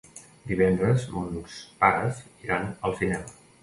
Divendres mons pares iran al cinema.